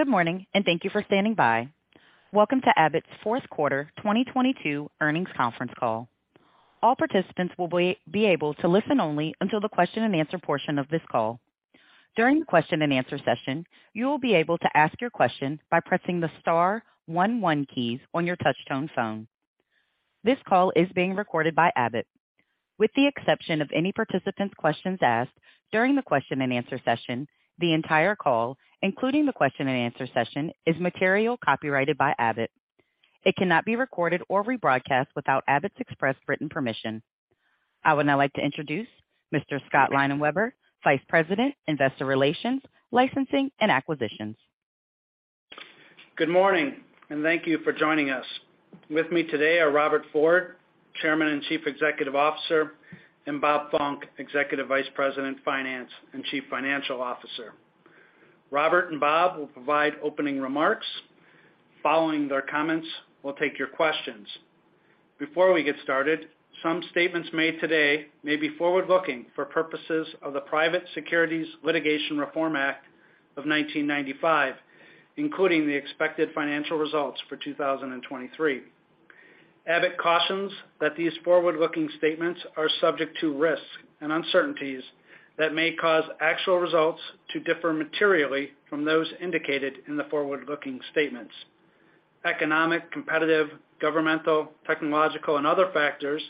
Good morning, and thank you for standing by. Welcome to Abbott's fourth quarter 2022 earnings conference call. All participants will be able to listen only until the question and answer portion of this call. During the question and answer session, you will be able to ask your question by pressing the star one one keys on your touchtone phone. This call is being recorded by Abbott. With the exception of any participant's questions asked during the question and answer session, the entire call, including the question and answer session, is material copyrighted by Abbott. It cannot be recorded or rebroadcast without Abbott's express written permission. I would now like to introduce Mr. Scott Leinenweber, Vice President, Investor Relations, Licensing, and Acquisitions. Good morning, and thank you for joining us. With me today are Robert Ford, Chairman and Chief Executive Officer; and Bob Funck, Executive Vice President, Finance, and Chief Financial Officer. Robert and Bob will provide opening remarks. Following their comments, we'll take your questions. Before we get started, some statements made today may be forward-looking for purposes of the Private Securities Litigation Reform Act of 1995, including the expected financial results for 2023. Abbott cautions that these forward-looking statements are subject to risks and uncertainties that may cause actual results to differ materially from those indicated in the forward-looking statements. Economic, competitive, governmental, technological, and other factors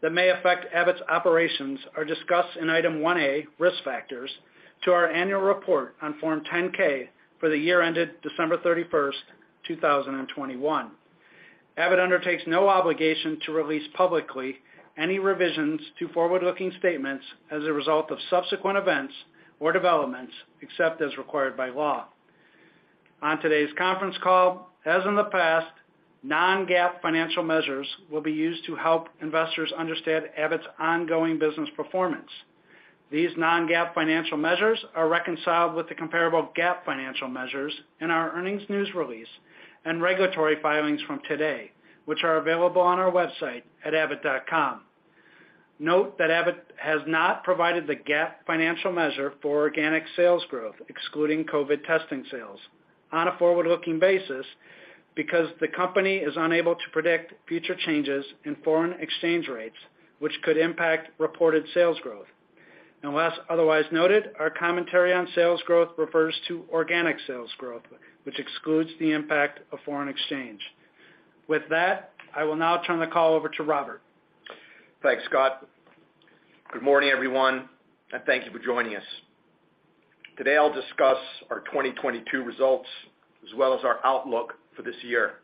that may affect Abbott's operations are discussed in Item 1A, Risk Factors, to our annual report on Form 10-K for the year ended December 31st, 2021. Abbott undertakes no obligation to release publicly any revisions to forward-looking statements as a result of subsequent events or developments, except as required by law. On today's conference call, as in the past, non-GAAP financial measures will be used to help investors understand Abbott's ongoing business performance. These non-GAAP financial measures are reconciled with the comparable GAAP financial measures in our earnings news release and regulatory filings from today, which are available on our website at abbott.com. Note that Abbott has not provided the GAAP financial measure for organic sales growth, excluding COVID testing sales, on a forward-looking basis because the company is unable to predict future changes in foreign exchange rates which could impact reported sales growth. Unless otherwise noted, our commentary on sales growth refers to organic sales growth, which excludes the impact of foreign exchange. With that, I will now turn the call over to Robert. Thanks, Scott. Good morning, everyone. Thank you for joining us. Today, I'll discuss our 2022 results as well as our outlook for this year.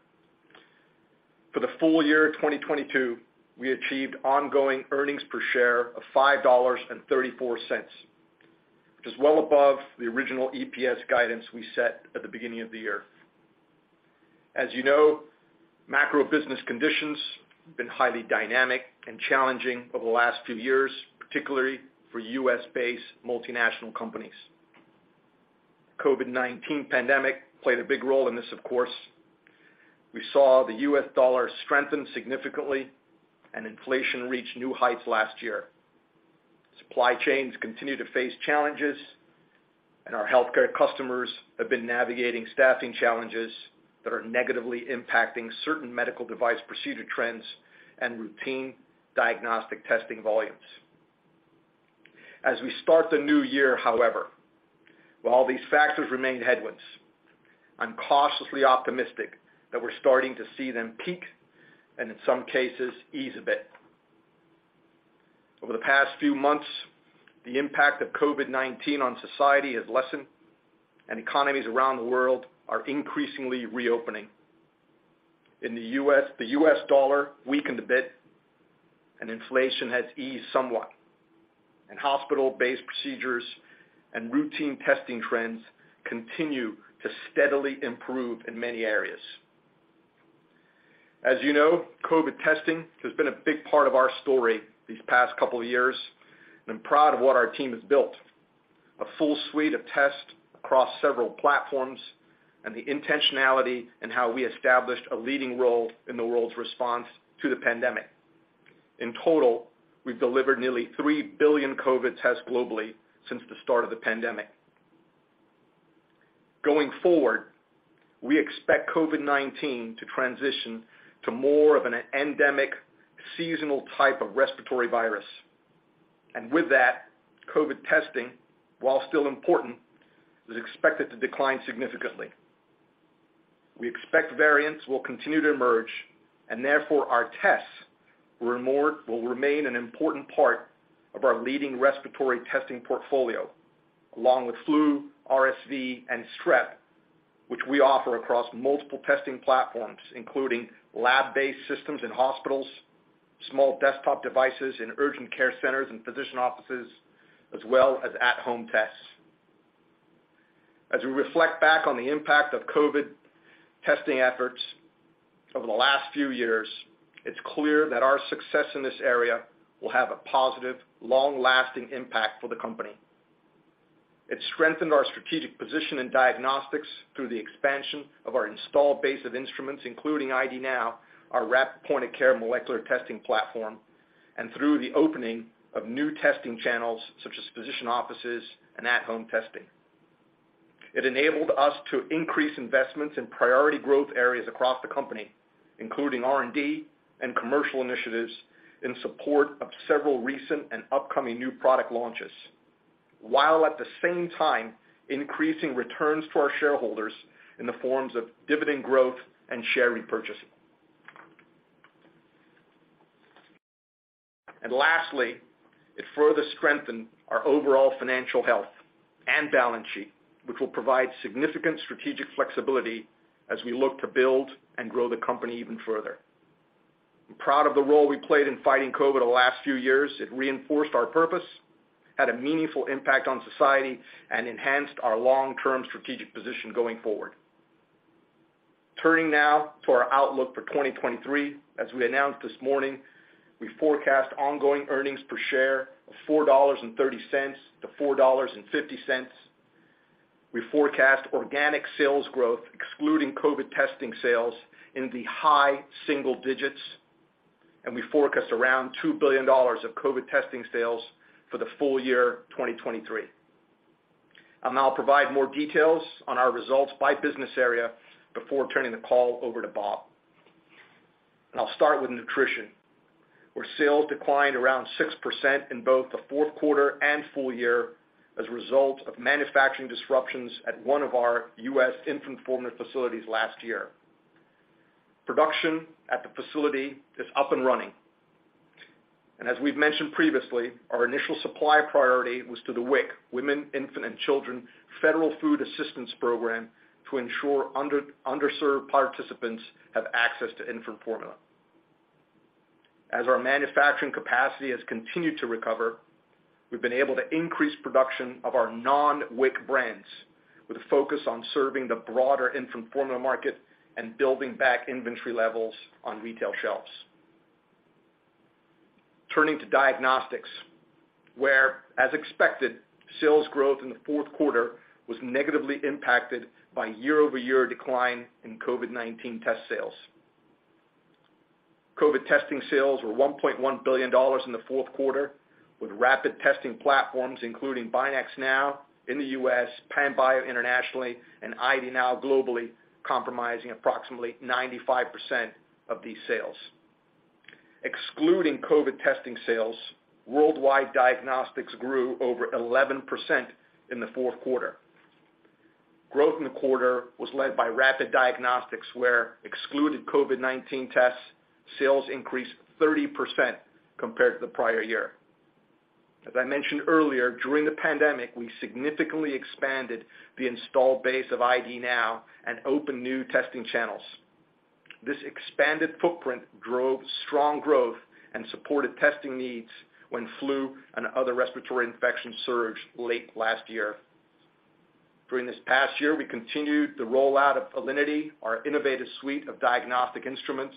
For the full year of 2022, we achieved ongoing earnings per share of $5.34, which is well above the original EPS guidance we set at the beginning of the year. As you know, macro business conditions have been highly dynamic and challenging over the last few years, particularly for U.S.-based multinational companies. The COVID-19 pandemic played a big role in this, of course. We saw the U.S. dollar strengthen significantly and inflation reach new heights last year. Supply chains continue to face challenges. Our healthcare customers have been navigating staffing challenges that are negatively impacting certain medical device procedure trends and routine diagnostic testing volumes. As we start the new year, however, while these factors remain headwinds, I'm cautiously optimistic that we're starting to see them peak and, in some cases, ease a bit. Over the past few months, the impact of COVID-19 on society has lessened, and economies around the world are increasingly reopening. In the U.S., the U.S. dollar weakened a bit, and inflation has eased somewhat, and hospital-based procedures and routine testing trends continue to steadily improve in many areas. As you know, COVID testing has been a big part of our story these past couple of years. I'm proud of what our team has built, a full suite of tests across several platforms and the intentionality in how we established a leading role in the world's response to the pandemic. In total, we've delivered nearly 3 billion COVID tests globally since the start of the pandemic. Going forward, we expect COVID-19 to transition to more of an endemic seasonal type of respiratory virus. And with that, COVID testing, while still important, is expected to decline significantly. We expect variants will continue to emerge, and therefore, our tests will remain an important part of our leading respiratory testing portfolio, along with flu, RSV, and strep, which we offer across multiple testing platforms, including lab-based systems in hospitals, small desktop devices in urgent care centers and physician offices, as well as at-home tests. As we reflect back on the impact of COVID testing efforts over the last few years, it's clear that our success in this area will have a positive, long-lasting impact for the company. It strengthened our strategic position in diagnostics through the expansion of our installed base of instruments, including ID NOW, our rapid point-of-care molecular testing platform. Through the opening of new testing channels, such as physician offices and at-home testing. It enabled us to increase investments in priority growth areas across the company, including R&D and commercial initiatives in support of several recent and upcoming new product launches, while at the same time, increasing returns to our shareholders in the forms of dividend growth and share repurchase. Lastly, it further strengthened our overall financial health and balance sheet, which will provide significant strategic flexibility as we look to build and grow the company even further. I'm proud of the role we played in fighting COVID the last few years. It reinforced our purpose, had a meaningful impact on society, and enhanced our long-term strategic position going forward. Turning now to our outlook for 2023. As we announced this morning, we forecast ongoing earnings per share of $4.30 -$4.50. We forecast organic sales growth, excluding COVID testing sales, in the high single digits. We forecast around $2 billion of COVID testing sales for the full year 2023. I'll provide more details on our results by business area before turning the call over to Bob. I'll start with Nutrition, where sales declined around 6% in both the fourth quarter and full year as a result of manufacturing disruptions at one of our U.S. infant formula facilities last year. Production at the facility is up and running. As we've mentioned previously, our initial supply priority was to the WIC, Women, Infant, and Children federal food assistance program, to ensure underserved participants have access to infant formula. As our manufacturing capacity has continued to recover, we've been able to increase production of our non-WIC brands with a focus on serving the broader infant formula market and building back inventory levels on retail shelves. Turning to Diagnostics, where, as expected, sales growth in the fourth quarter was negatively impacted by year-over-year decline in COVID-19 test sales. COVID testing sales were $1.1 billion in the fourth quarter, with rapid testing platforms, including BinaxNOW in the U.S., Panbio internationally, and ID NOW globally, comprising approximately 95% of these sales. Excluding COVID testing sales, worldwide Diagnostics grew over 11% in the fourth quarter. Growth in the quarter was led by rapid diagnostics, where excluded COVID-19 tests, sales increased 30% compared to the prior year. As I mentioned earlier, during the pandemic, we significantly expanded the installed base of ID NOW and opened new testing channels. This expanded footprint drove strong growth and supported testing needs when flu and other respiratory infections surged late last year. During this past year, we continued the rollout of Alinity, our innovative suite of diagnostic instruments,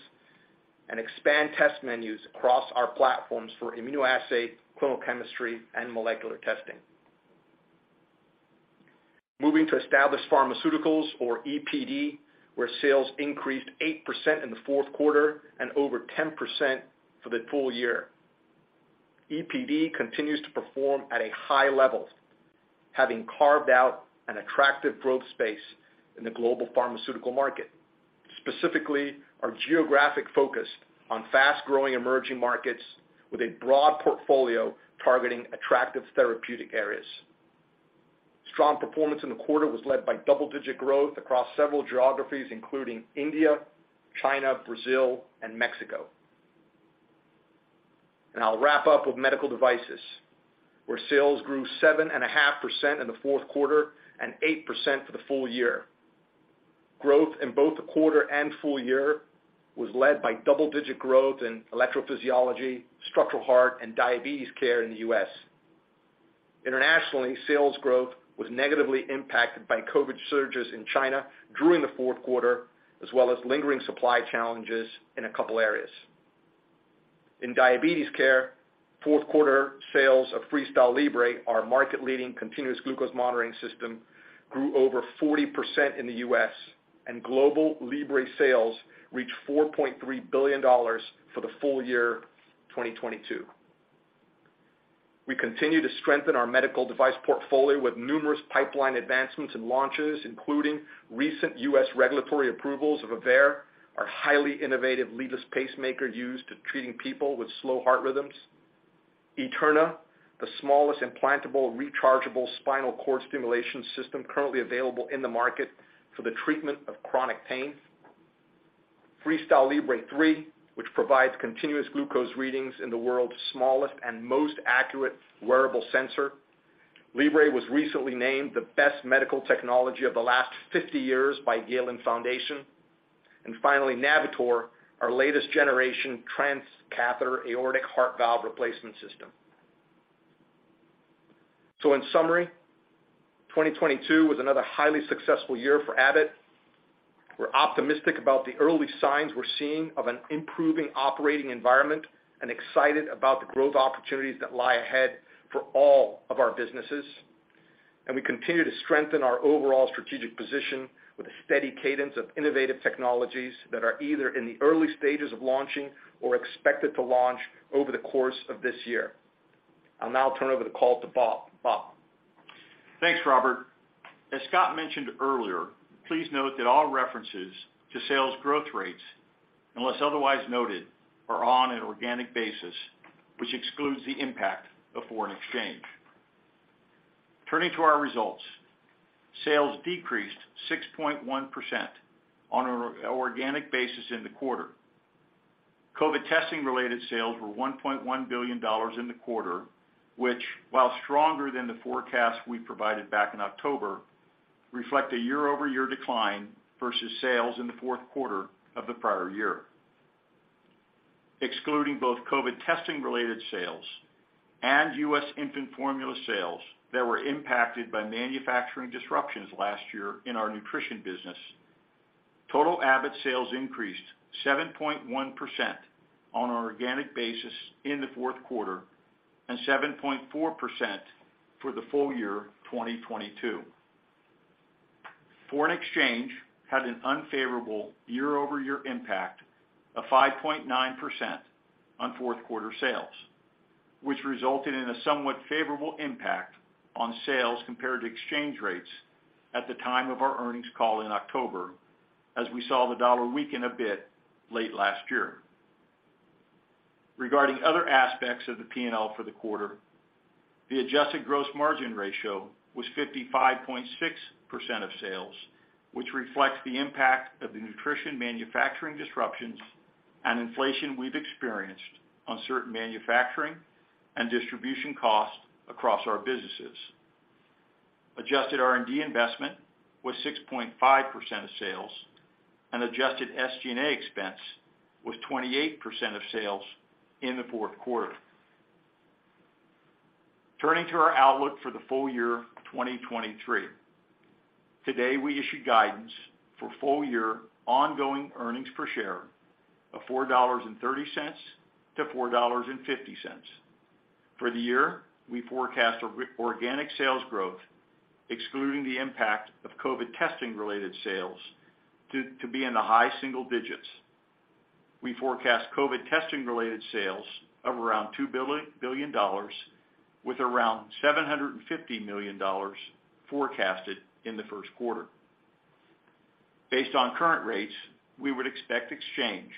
and expand test menus across our platforms for immunoassay, clinical chemistry, and molecular testing. Moving to Established Pharmaceuticals, or EPD, where sales increased 8% in the fourth quarter and over 10% for the full year. EPD continues to perform at a high level, having carved out an attractive growth space in the global pharmaceutical market, specifically our geographic focus on fast-growing emerging markets with a broad portfolio targeting attractive therapeutic areas. Strong performance in the quarter was led by double-digit growth across several geographies, including India, China, Brazil, and Mexico. I'll wrap up with Medical Devices, where sales grew 7.5% in the fourth quarter and 8% for the full year. Growth in both the quarter and full year was led by double-digit growth in electrophysiology, structural heart, and diabetes care in the U.S. Internationally, sales growth was negatively impacted by COVID surges in China during the fourth quarter, as well as lingering supply challenges in a couple areas. In diabetes care, fourth quarter sales of FreeStyle Libre, our market-leading continuous glucose monitoring system, grew over 40% in the U.S. Global Libre sales reached $4.3 billion for the full year 2022. We continue to strengthen our medical device portfolio with numerous pipeline advancements and launches, including recent U.S. regulatory approvals of Aveir, our highly innovative leadless pacemaker used to treating people with slow heart rhythms; Eterna, the smallest implantable rechargeable spinal cord stimulation system currently available in the market for the treatment of chronic pain; FreeStyle Libre 3, which provides continuous glucose readings in the world's smallest and most accurate wearable sensor. Libre was recently named the best medical technology of the last 50 years by Galien Foundation. Finally, Navitor, our latest generation transcatheter aortic heart valve replacement system. In summary, 2022 was another highly successful year for Abbott. We're optimistic about the early signs we're seeing of an improving operating environment and excited about the growth opportunities that lie ahead for all of our businesses. We continue to strengthen our overall strategic position with a steady cadence of innovative technologies that are either in the early stages of launching or expected to launch over the course of this year. I'll now turn over the call to Bob. Bob? Thanks, Robert. As Scott mentioned earlier, please note that all references to sales growth rates, unless otherwise noted, are on an organic basis, which excludes the impact of foreign exchange. Turning to our results. Sales decreased 6.1% on an organic basis in the quarter. COVID testing-related sales were $1.1 billion in the quarter, which, while stronger than the forecast we provided back in October, reflect a year-over-year decline versus sales in the fourth quarter of the prior year. Excluding both COVID testing-related sales and U.S. infant formula sales that were impacted by manufacturing disruptions last year in our nutrition business, total Abbott sales increased 7.1% on an organic basis in the fourth quarter and 7.4% for the full year 2022. Foreign exchange had an unfavorable year-over-year impact of 5.9% on fourth quarter sales, which resulted in a somewhat favorable impact on sales compared to exchange rates at the time of our earnings call in October, as we saw the dollar weaken a bit late last year. Regarding other aspects of the P&L for the quarter, the adjusted gross margin ratio was 55.6% of sales, which reflects the impact of the nutrition manufacturing disruptions and inflation we've experienced on certain manufacturing and distribution costs across our businesses. Adjusted R&D investment was 6.5% of sales, and adjusted SG&A expense was 28% of sales in the fourth quarter. Turning to our outlook for the full year 2023. Today, we issued guidance for full year ongoing earnings per share of $4.30-$4.50. For the year, we forecast organic sales growth, excluding the impact of COVID testing-related sales to be in the high single digits. We forecast COVID testing-related sales of around $2 billion with around $750 million forecasted in the first quarter. Based on current rates, we would expect exchange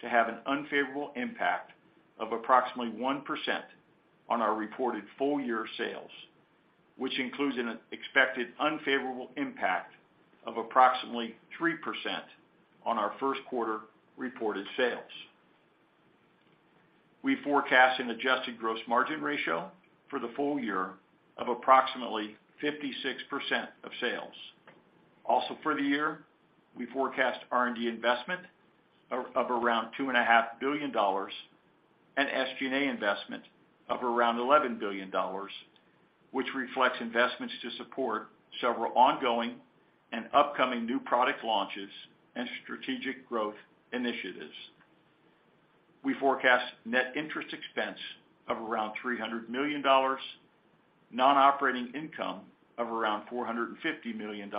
to have an unfavorable impact of approximately 1% on our reported full year sales, which includes an expected unfavorable impact of approximately 3% on our first quarter reported sales. We forecast an adjusted gross margin ratio for the full year of approximately 56% of sales. Also for the year, we forecast R&D investment of around $2.5 billion and SG&A investment of around $11 billion, which reflects investments to support several ongoing and upcoming new product launches and strategic growth initiatives. We forecast net interest expense of around $300 million, non-operating income of around $450 million,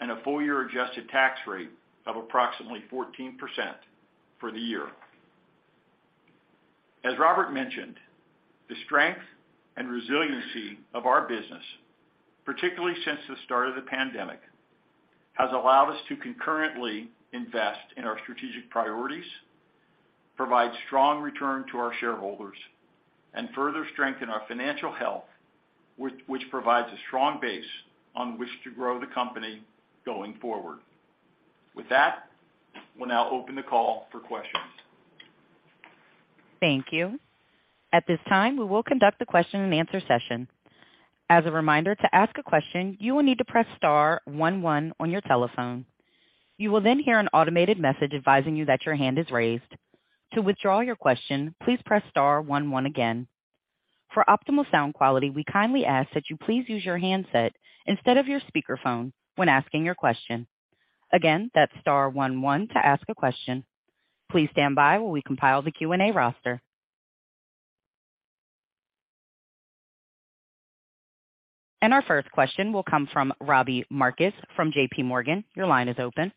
and a full year adjusted tax rate of approximately 14% for the year. As Robert mentioned, the strength and resiliency of our business, particularly since the start of the pandemic, has allowed us to concurrently invest in our strategic priorities, provide strong return to our shareholders, and further strengthen our financial health, which provides a strong base on which to grow the company going forward. With that, we'll now open the call for questions. Thank you. At this time, we will conduct the question-and-answer session. As a reminder, to ask a question, you will need to press star one one on your telephone. You will then hear an automated message advising you that your hand is raised. To withdraw your question, please press star one one again. For optimal sound quality, we kindly ask that you please use your handset instead of your speakerphone when asking your question. Again, that's star one one to ask a question. Please stand by while we compile the Q&A roster. Our first question will come from Robbie Marcus from JPMorgan. Your line is open.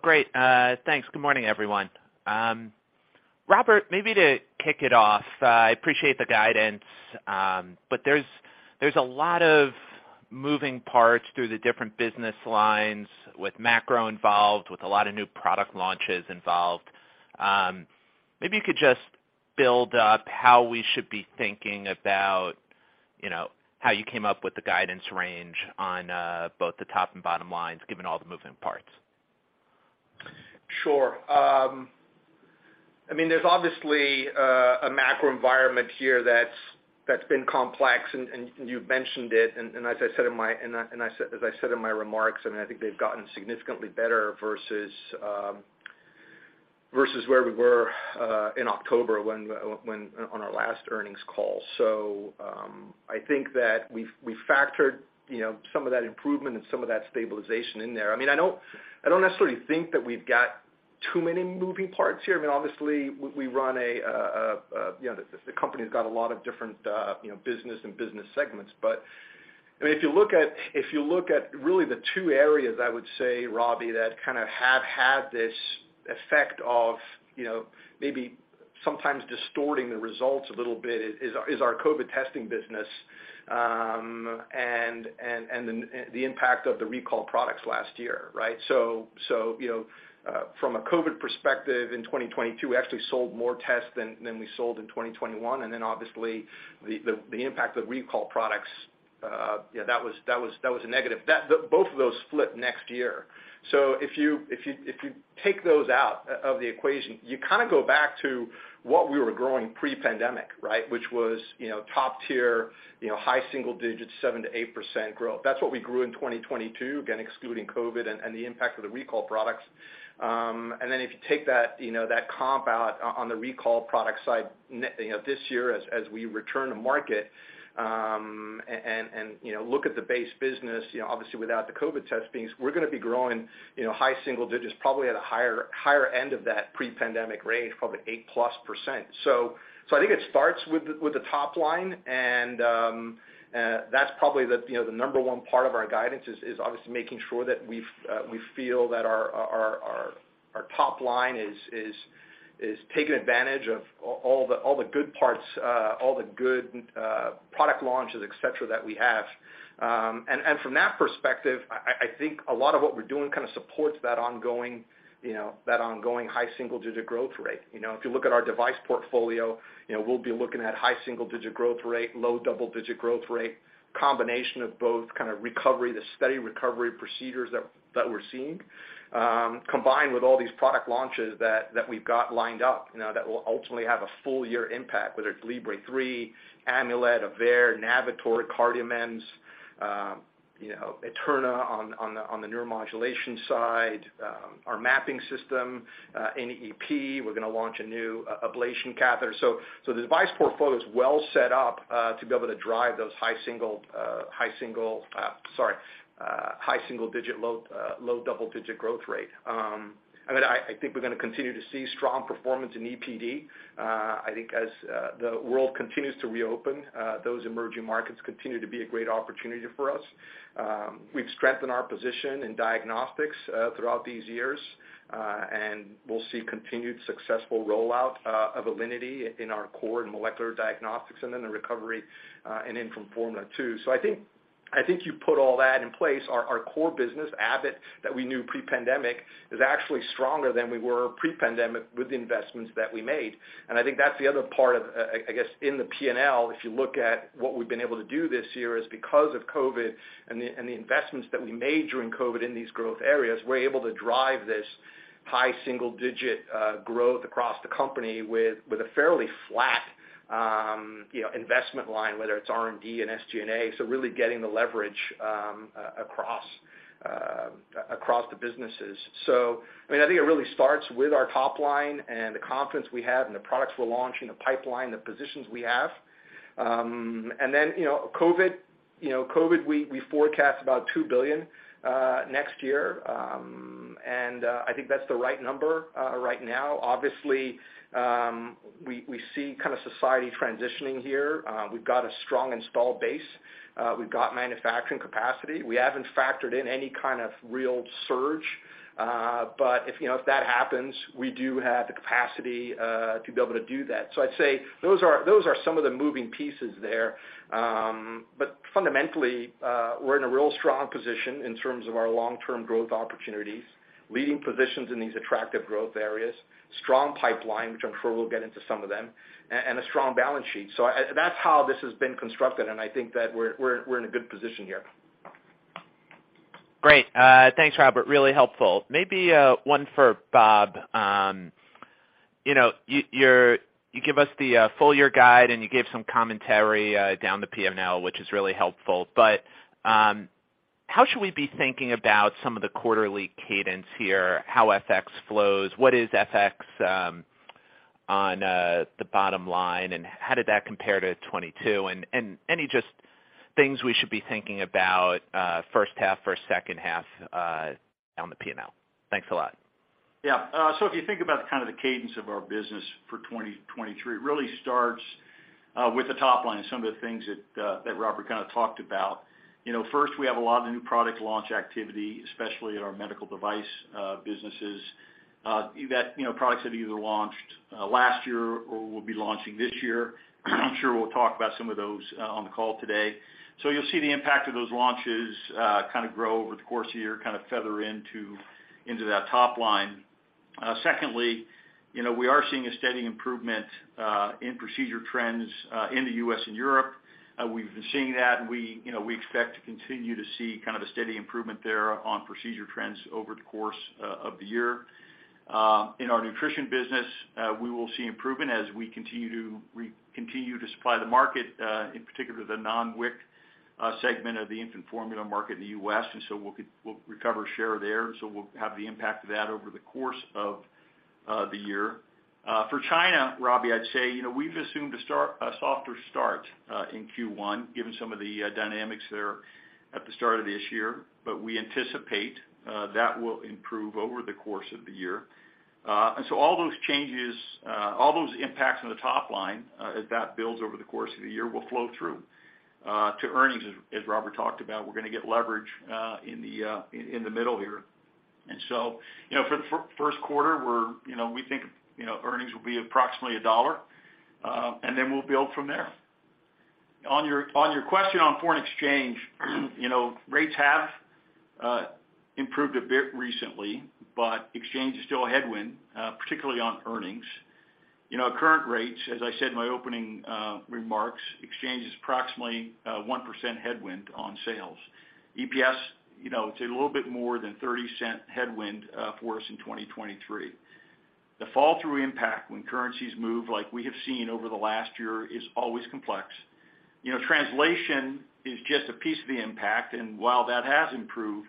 Great. Thanks. Good morning, everyone. Robert, maybe to kick it off, I appreciate the guidance. There's a lot of moving parts through the different business lines with macro involved, with a lot of new product launches involved. Maybe you could just build up how we should be thinking about, you know, how you came up with the guidance range on both the top and bottom lines, given all the moving parts. Sure. I mean, there's obviously a macro environment here that's been complex and you've mentioned it. As I said in my remarks, and I think they've gotten significantly better versus versus where we were in October when on our last earnings call. I think that we've, we factored, you know, some of that improvement and some of that stabilization in there. I mean, I don't, I don't necessarily think that we've got too many moving parts here. I mean, obviously we run, you know, the company's got a lot of different, you know, business and business segments. I mean, if you look at, if you look at really the two areas, I would say, Robbie, that kind of have had this effect of, you know, maybe sometimes distorting the results a little bit is our COVID testing business, and then the impact of the recall products last year, right? You know, from a COVID perspective, in 2022, we actually sold more tests than we sold in 2021. Obviously the impact of the recall products, you know, that was a negative. Both of those flip next year. If you take those out of the equation, you kind of go back to what we were growing pre-pandemic, right? Which was, you know, top tier, you know, high single digits, 7%-8% growth. That's what we grew in 2022, again, excluding COVID and the impact of the recall products. Then if you take that, you know, that comp out on the recall product side, you know, this year as we return to market, and, you know, look at the base business, you know, obviously, without the COVID testings, we're gonna be growing, you know, high single digits, probably at a higher end of that pre-pandemic range, probably 8%+. I think it starts with the top line, that's probably the, you know, the number one part of our guidance is obviously making sure that we feel that our top line is taking advantage of all the good parts, all the good product launches, et cetera, that we have. From that perspective, I think a lot of what we're doing kind of supports that ongoing, you know, that ongoing high single digit growth rate. You know, if you look at our device portfolio, you know, we'll be looking at high single-digit % growth rate, low double-digit % growth rate, combination of both kind of recovery, the steady recovery procedures that we're seeing, combined with all these product launches that we've got lined up, you know, that will ultimately have a full year impact, whether it's Libre 3, Amulet, Aveir, Navitor, CardioMEMS, Eterna on the neuromodulation side, our mapping system in EP, we're gonna launch a new ablation catheter. The device portfolio is well set up to be able to drive those high single-digit % low double-digit % growth rate. I mean, I think we're gonna continue to see strong performance in EPD. I think as the world continues to reopen, those emerging markets continue to be a great opportunity for us. We've strengthened our position in diagnostics throughout these years, and we'll see continued successful rollout of Alinity in our core and molecular diagnostics, and then the recovery in infant formula too. I think you put all that in place, our core business, Abbott, that we knew pre-pandemic, is actually stronger than we were pre-pandemic with the investments that we made. I think that's the other part of, I guess, in the P&L, if you look at what we've been able to do this year, is because of COVID and the investments that we made during COVID in these growth areas, we're able to drive this high single digit growth across the company with a fairly flat, you know, investment line, whether it's R&D and SG&A, really getting the leverage across the businesses. I mean, I think it really starts with our top line and the confidence we have and the products we're launching, the pipeline, the positions we have. Then, you know, COVID, you know, COVID, we forecast about $2 billion next year. I think that's the right number right now. Obviously, we see kind of society transitioning here. We've got a strong installed base. We've got manufacturing capacity. We haven't factored in any kind of real surge. If, you know, if that happens, we do have the capacity to be able to do that. I'd say those are some of the moving pieces there. Fundamentally, we're in a real strong position in terms of our long-term growth opportunities, leading positions in these attractive growth areas, strong pipeline, which I'm sure we'll get into some of them, and a strong balance sheet. That's how this has been constructed, and I think that we're in a good position here. Great. Thanks, Robert. Really helpful. Maybe, one for Bob. You know, you give us the full year guide, and you gave some commentary down the P&L, which is really helpful. How should we be thinking about some of the quarterly cadence here, how FX flows, what is FX on the bottom line, and how did that compare to 2022? Any just things we should be thinking about first half versus second half on the P&L. Thanks a lot. If you think about kind of the cadence of our business for 2023, it really starts with the top line and some of the things that Robert kind of talked about. You know, first, we have a lot of new product launch activity, especially at our medical device businesses, that, you know, products that either launched last year or will be launching this year. I'm sure we'll talk about some of those on the call today. You'll see the impact of those launches kind of grow over the course of the year, kind of feather into that top line. Secondly, you know, we are seeing a steady improvement in procedure trends in the U.S. and Europe. We've been seeing that, and we, you know, we expect to continue to see kind of a steady improvement there on procedure trends over the course of the year. In our nutrition business, we will see improvement as we continue to supply the market, in particular the non-WIC segment of the infant formula market in the U.S., we'll recover share there. We'll have the impact of that over the course of the year. For China, Robbie, I'd say, you know, we've assumed a softer start in Q1, given some of the dynamics there at the start of this year. We anticipate that will improve over the course of the year. All those changes, all those impacts on the top line, as that builds over the course of the year, will flow through to earnings. As Robert talked about, we're gonna get leverage in the middle here. You know, for the first quarter, we're, you know, we think, you know, earnings will be approximately $1, and then we'll build from there. On your question on foreign exchange, you know, rates have improved a bit recently, but exchange is still a headwind, particularly on earnings. You know, at current rates, as I said in my opening remarks, exchange is approximately 1% headwind on sales. EPS, you know, it's a little bit more than $0.30 headwind for us in 2023. The fall-through impact when currencies move like we have seen over the last year is always complex. You know, translation is just a piece of the impact, and while that has improved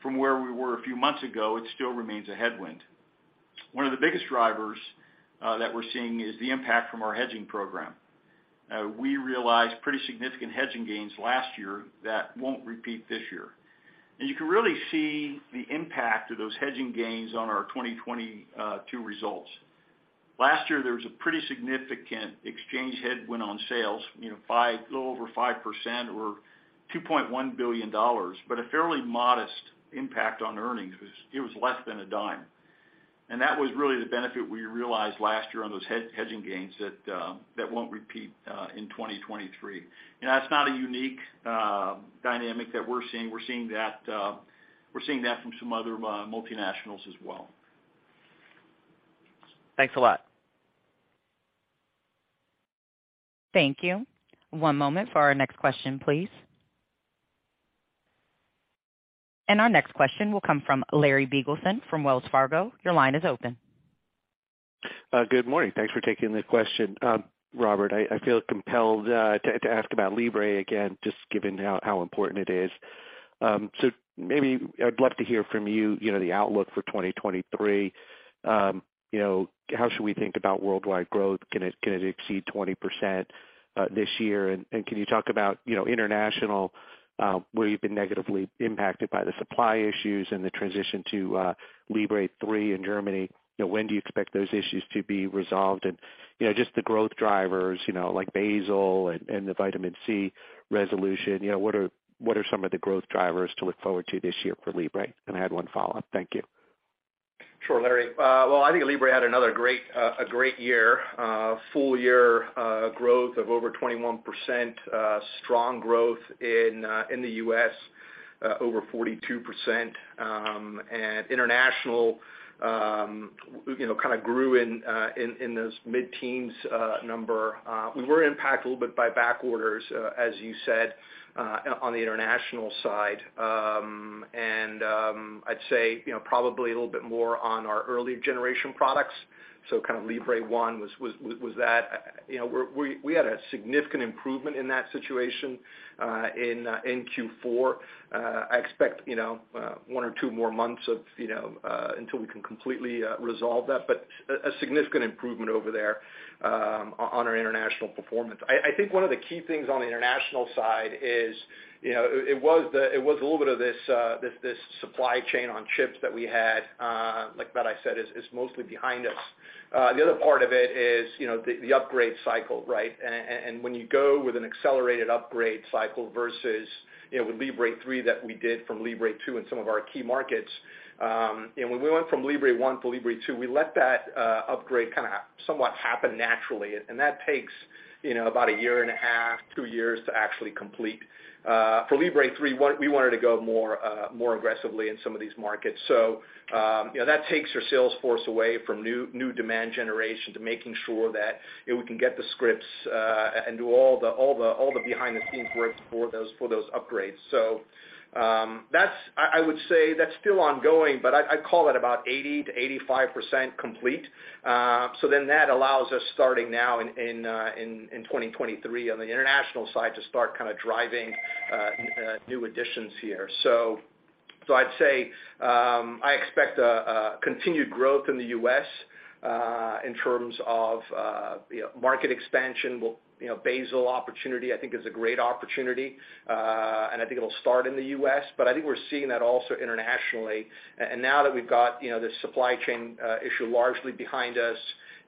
from where we were a few months ago, it still remains a headwind. One of the biggest drivers that we're seeing is the impact from our hedging program. We realized pretty significant hedging gains last year that won't repeat this year. You can really see the impact of those hedging gains on our 2022 results. Last year, there was a pretty significant exchange headwind on sales, you know, a little over 5% or $2.1 billion, but a fairly modest impact on earnings. It was less than a dime. That was really the benefit we realized last year on those hedging gains that won't repeat in 2023. You know, that's not a unique dynamic that we're seeing. We're seeing that we're seeing that from some other multinationals as well. Thanks a lot. Thank you. One moment for our next question, please. Our next question will come from Larry Biegelsen from Wells Fargo. Your line is open. Good morning. Thanks for taking the question. Robert, I feel compelled to ask about Libre again, just given how important it is. Maybe I'd love to hear from you know, the outlook for 2023. You know, how should we think about worldwide growth? Can it exceed 20% this year? Can you talk about, you know, international, where you've been negatively impacted by the supply issues and the transition to Libre 3 in Germany? You know, when do you expect those issues to be resolved? You know, just the growth drivers, like basal and the vitamin C resolution. You know, what are some of the growth drivers to look forward to this year for Libre? I had one follow-up. Thank you. Sure, Larry. Well, I think Libre had another great, a great year. Full year, growth of over 21%, strong growth in the U.S., over 42%. International, you know, kind of grew in this mid-teens, number. We were impacted a little bit by back orders, as you said, on the international side. I'd say, you know, probably a little bit more on our early generation products. Kind of Libre 1 was that. You know, we had a significant improvement in that situation, in Q4. I expect, you know, one or two more months of, you know, until we can completely resolve that, but a significant improvement over there on our international performance. I think one of the key things on the international side is, you know, it was a little bit of this supply chain on chips that we had, like that I said is mostly behind us. The other part of it is, you know, the upgrade cycle, right? When you go with an accelerated upgrade cycle versus, you know, with Libre 3 that we did from Libre 2 in some of our key markets, you know, when we went from Libre 1 to Libre 2, we let that upgrade kind of somewhat happen naturally. That takes, you know, about a year and a half, two years to actually complete. For Libre 3, we wanted to go more aggressively in some of these markets. You know, that takes our sales force away from new demand generation to making sure that, you know, we can get the scripts, and do all the behind the scenes work for those upgrades. I would say that's still ongoing, but I'd call it about 80%-85% complete. That allows us starting now in 2023 on the international side to start kind of driving new additions here. I'd say, I expect a continued growth in the U.S., in terms of, you know, market expansion. You know, basal opportunity, I think, is a great opportunity. I think it'll start in the U.S. I think we're seeing that also internationally. Now that we've got, you know, the supply chain issue largely behind us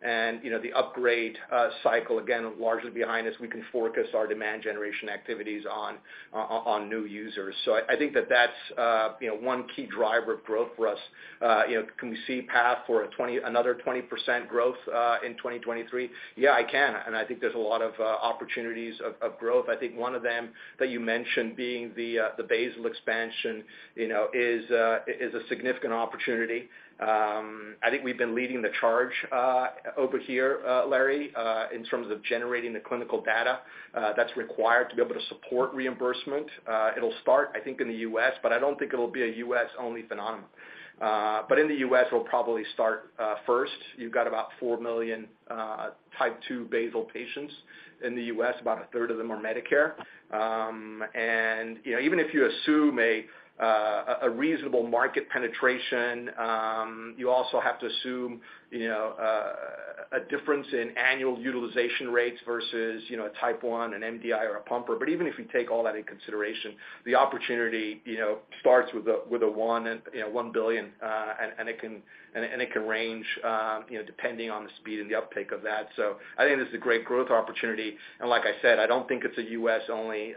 and, you know, the upgrade cycle again largely behind us, we can focus our demand generation activities on new users. I think that that's, you know, one key driver of growth for us. You know, can we see path for another 20% growth in 2023? Yeah, I can. I think there's a lot of opportunities of growth. I think one of them that you mentioned being the basal expansion, you know, is a significant opportunity. I think we've been leading the charge, over here, Larry, in terms of generating the clinical data that's required to be able to support reimbursement. It'll start, I think, in the U.S., but I don't think it'll be a U.S.-only phenomenon. In the U.S., we'll probably start first. You've got about 4 million type 2 basal patients in the U.S., about a third of them are Medicare. You know, even if you assume a reasonable market penetration, you also have to assume, you know, a difference in annual utilization rates versus, you know, a type one, an MDI, or a pumper. Even if you take all that into consideration, the opportunity, you know, starts with a 1 and, you know, $1 billion, and it can range, you know, depending on the speed and the uptake of that. I think this is a great growth opportunity. Like I said, I don't think it's a U.S.-only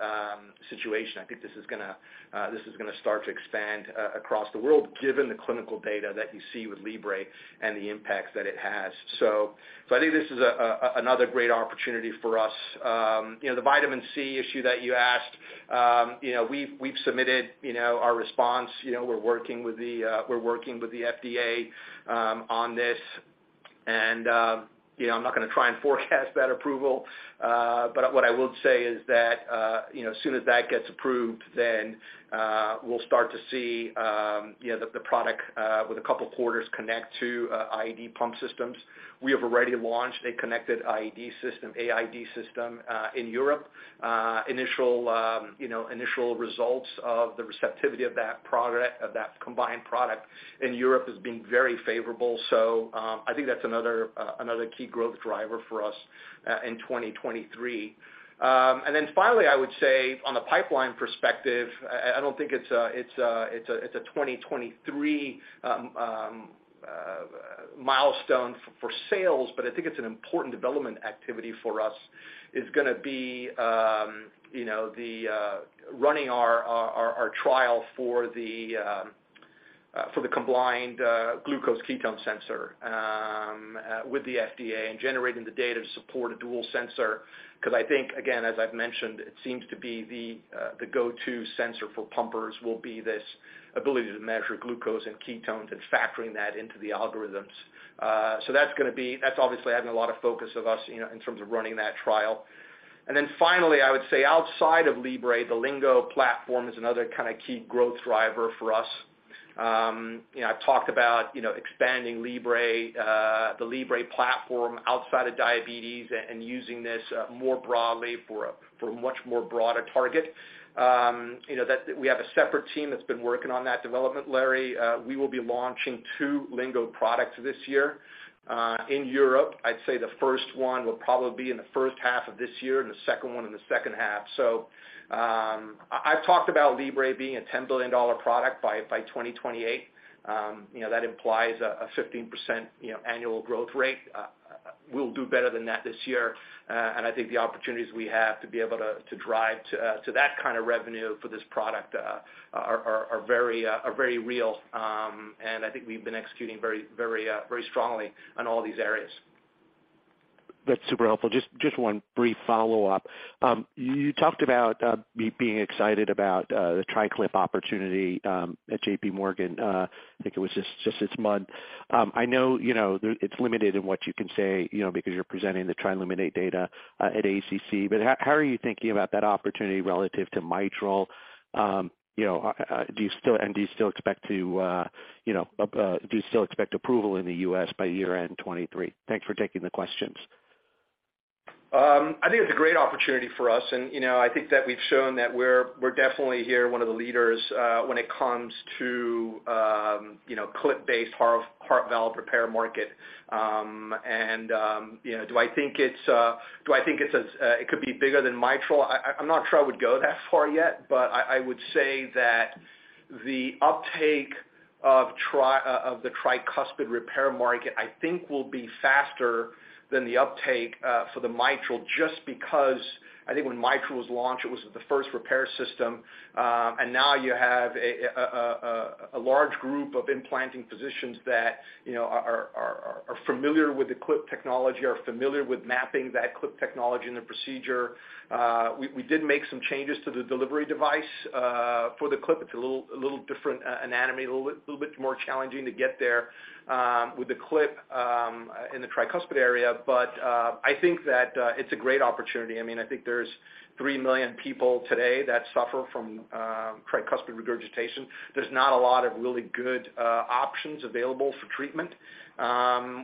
situation. I think this is gonna start to expand across the world given the clinical data that you see with Libre and the impacts that it has. I think this is another great opportunity for us. You know, the vitamin C issue that you asked, you know, we've submitted, you know, our response. You know, we're working with the FDA on this. You know, I'm not gonna try and forecast that approval. But what I will say is that, you know, as soon as that gets approved, then we'll start to see, you know, the product with a couple quarters connect to AID pump systems. We have already launched a connected AID system in Europe. Initial, you know, initial results of the receptivity of that product, of that combined product in Europe has been very favorable. I think that's another key growth driver for us in 2023. Finally, I would say on the pipeline perspective, I don't think it's a 2023 milestone for sales, but I think it's an important development activity for us, is gonna be, you know, the running our trial for the combined glucose ketone sensor with the FDA and generating the data to support a dual sensor. I think, again, as I've mentioned, it seems to be the go-to sensor for pumpers will be this ability to measure glucose and ketones and factoring that into the algorithms. That's gonna be, that's obviously having a lot of focus of us, you know, in terms of running that trial. Finally, I would say outside of Libre, the Lingo platform is another kind of key growth driver for us. You know, I've talked about, you know, expanding Libre, the Libre platform outside of diabetes and using this more broadly for a much more broader target. You know, we have a separate team that's been working on that development, Larry. We will be launching two Lingo products this year in Europe. I'd say the first one will probably be in the first half of this year and the second one in the second half. I've talked about Libre being a $10 billion product by 2028. You know, that implies a 15%, you know, annual growth rate. We'll do better than that this year. I think the opportunities we have to be able to drive to that kind of revenue for this product, are very real. I think we've been executing very strongly on all these areas. That's super helpful. Just one brief follow-up. You talked about being excited about the TriClip opportunity at JPMorgan. I think it was just this month. I know, you know, it's limited in what you can say, you know, because you're presenting the TRILUMINATE data at ACC. How are you thinking about that opportunity relative to mitral? You know, do you still expect to, you know, do you still expect approval in the U.S. by year-end 2023? Thanks for taking the questions. I think it's a great opportunity for us, and, you know, I think that we're definitely here one of the leaders, when it comes to, you know, clip-based heart valve repair market. You know, do I think it's, do I think it's as, it could be bigger than mitral? I'm not sure I would go that far yet, but I would say that the uptake of the tricuspid repair market, I think, will be faster than the uptake for the mitral just because I think when mitral was launched, it was the first repair system. Now you have a large group of implanting physicians that, you know, are familiar with the clip technology, are familiar with mapping that clip technology in the procedure. We did make some changes to the delivery device for the clip. It's a little different anatomy, a little bit more challenging to get there with the clip in the tricuspid area. I think that it's a great opportunity. I mean, I think there's 3 million people today that suffer from tricuspid regurgitation. There's not a lot of really good options available for treatment,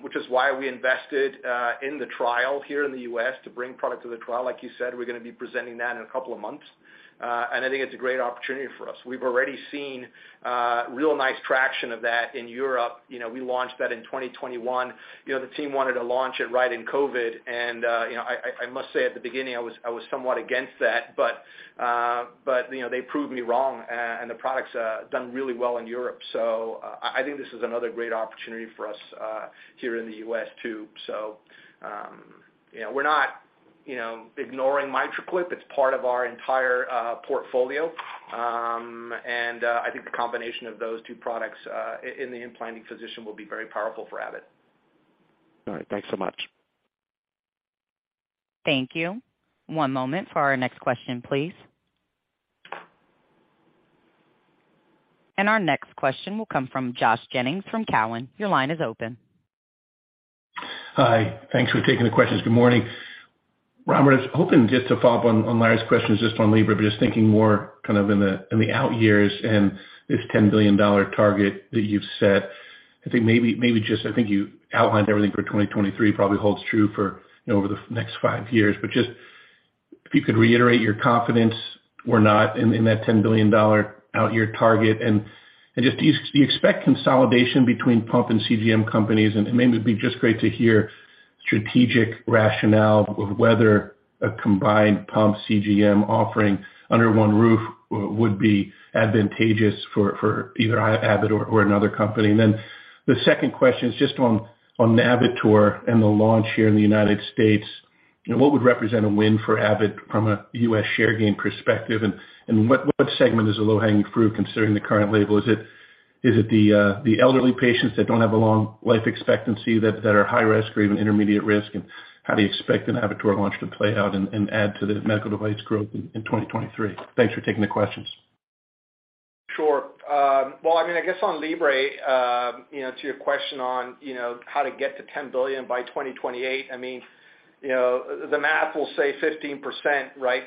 which is why we invested in the trial here in the U.S. to bring product to the trial. Like you said, we're gonna be presenting that in a couple of months. I think it's a great opportunity for us. We've already seen real nice traction of that in Europe. You know, we launched that in 2021. You know, the team wanted to launch it right in COVID, and, you know, I must say at the beginning, I was somewhat against that. You know, they proved me wrong, and the product's done really well in Europe. I think this is another great opportunity for us here in the U.S. too. You know, we're not, you know, ignoring MitraClip. It's part of our entire portfolio. I think the combination of those two products in the implanting physician will be very powerful for Abbott. All right. Thanks so much. Thank you. One moment for our next question, please. Our next question will come from Josh Jennings from Cowen. Your line is open. Hi. Thanks for taking the questions. Good morning. Robert, I was hoping just to follow up on Larry's question just on Libre, but just thinking more kind of in the out years and this $10 billion target that you've set. I think maybe just I think you outlined everything for 2023, probably holds true for, you know, over the next five years. Just if you could reiterate your confidence or not in that $10 billion out year target. And just do you expect consolidation between pump and CGM companies? And maybe it'd be just great to hear strategic rationale of whether a combined pump CGM offering under one roof would be advantageous for either Abbott or another company. The second question is just on Navitor and the launch here in the United States. You know, what would represent a win for Abbott from a U.S. share gain perspective? What segment is a low-hanging fruit considering the current label? Is it the elderly patients that don't have a long life expectancy that are high risk or even intermediate risk? How do you expect the Navitor launch to play out and add to the medical device growth in 2023? Thanks for taking the questions. Sure. Well, I guess on Libre, to your question on how to get to $10 billion by 2028, the math will say 15%, right?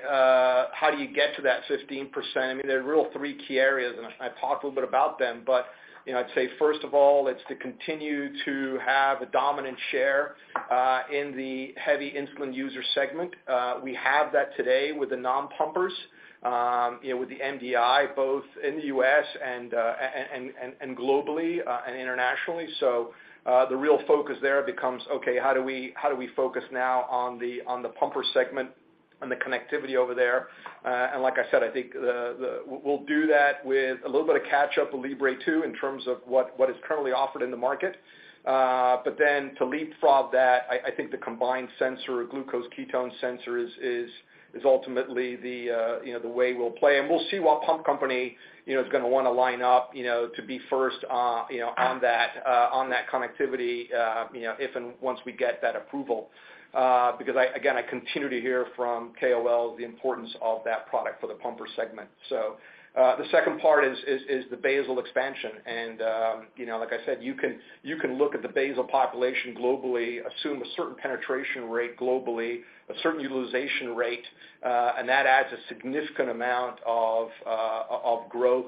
How do you get to that 15%? There are real three key areas, and I talked a little bit about them. I'd say first of all, it's to continue to have a dominant share in the heavy insulin user segment. We have that today with the non-pumpers, with the MDI, both in the U.S. and globally and internationally. The real focus there becomes, okay, how do we focus now on the pumper segment and the connectivity over there? Like I said, I think we'll do that with a little bit of catch-up with Libre 2 in terms of what is currently offered in the market. To leapfrog that, I think the combined sensor, glucose ketone sensor is ultimately, you know, the way we'll play. We'll see what pump company, you know, is gonna wanna line up, you know, to be first, you know, on that, on that connectivity, you know, if and once we get that approval. I again continue to hear from KOL the importance of that product for the pumper segment. The second part is the basal expansion. You know, like I said, you can, you can look at the basal population globally, assume a certain penetration rate globally, a certain utilization rate, and that adds a significant amount of growth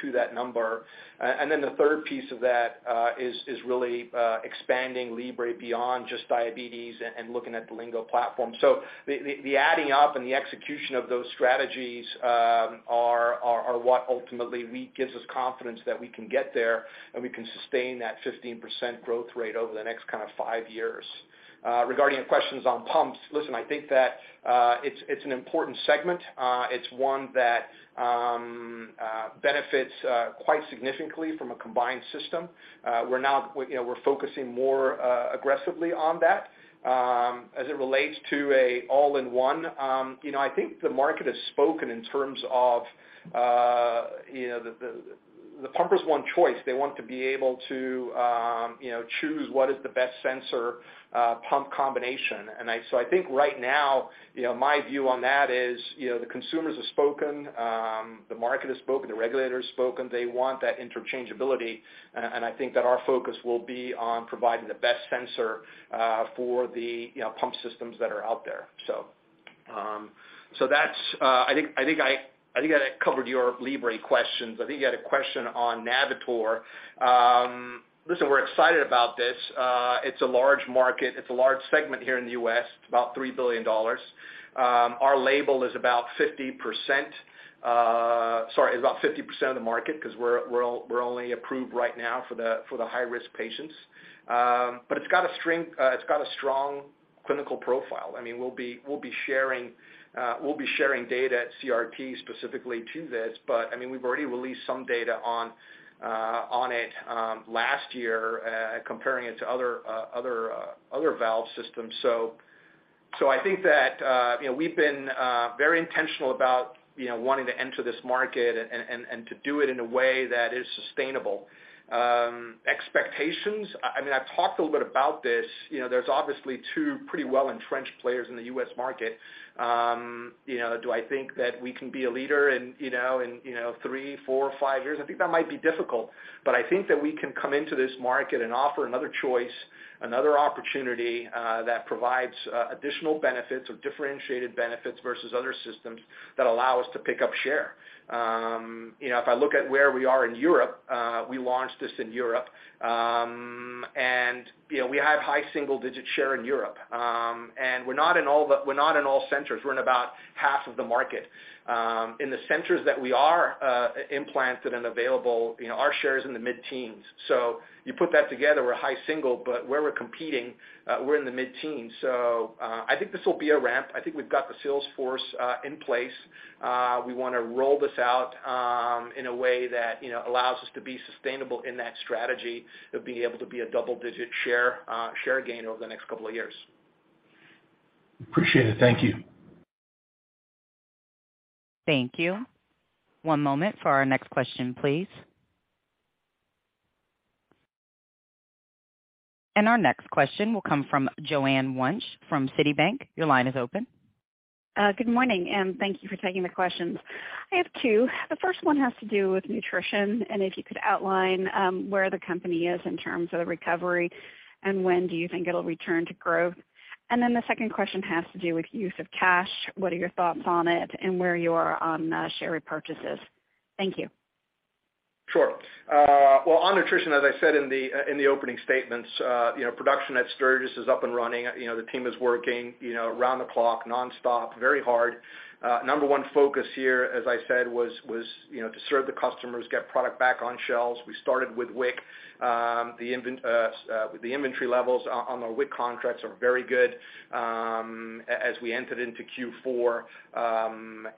to that number. Then the third piece of that is really expanding Libre beyond just diabetes and looking at the Lingo platform. The adding up and the execution of those strategies are what ultimately gives us confidence that we can get there, and we can sustain that 15% growth rate over the next kind of five years. Regarding your questions on pumps, listen, I think that it's an important segment. It's one that benefits quite significantly from a combined system. We're now, you know, we're focusing more aggressively on that. As it relates to a all-in-one, you know, I think the market has spoken in terms of, you know, the pumpers want choice. They want to be able to, you know, choose what is the best sensor, pump combination. I think right now, you know, my view on that is, you know, the consumers have spoken, the market has spoken, the regulator has spoken. They want that interchangeability. I think that our focus will be on providing the best sensor, for the, you know, pump systems that are out there. That's, I think I covered your Libre questions. I think you had a question on Navitor. Listen, we're excited about this. It's a large market. It's a large segment here in the U.S. It's about $3 billion. Our label is about 50%. Sorry, it's about 50% of the market because we're only approved right now for the high-risk patients. It's got a strong clinical profile. I mean, we'll be sharing data at CRT specifically to this. I mean, we've already released some data on it last year comparing it to other valve systems. I think that, you know, we've been very intentional about, you know, wanting to enter this market and to do it in a way that is sustainable. Expectations, I mean, I've talked a little bit about this. You know, there's obviously 2 pretty well-entrenched players in the U.S. market. You know, do I think that we can be a leader in, you know, in, you know, 3, 4, 5 years? I think that might be difficult. I think that we can come into this market and offer another choice, another opportunity that provides additional benefits or differentiated benefits versus other systems that allow us to pick up share. You know, if I look at where we are in Europe, we launched this in Europe, and, you know, we have high single-digit share in Europe. We're not in all centers. We're in about half of the market. In the centers that we are implanted and available, you know, our share is in the mid-teens. You put that together, we're high single, but where we're competing, we're in the mid-teens. I think this will be a ramp. I think we've got the sales force in place. We wanna roll this out, in a way that, you know, allows us to be sustainable in that strategy of being able to be a double-digit share gain over the next couple of years. Appreciate it. Thank you. Thank you. One moment for our next question, please. Our next question will come from Joanne Wuensch from Citibank. Your line is open. Good morning, and thank you for taking the questions. I have two. The first one has to do with nutrition, and if you could outline where the company is in terms of the recovery, and when do you think it'll return to growth. The second question has to do with use of cash. What are your thoughts on it and where you are on share repurchases? Thank you. Sure. Well, on nutrition, as I said in the opening statements, you know, production at Sturgis is up and running. You know, the team is working, you know, around the clock, nonstop, very hard. Number one focus here, as I said, was, you know, to serve the customers, get product back on shelves. We started with WIC. The inventory levels on our WIC contracts are very good, as we entered into Q4.